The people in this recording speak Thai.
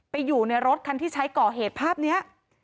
อยู่ในรถคันที่ใช้ก่อเหตุภาพนี้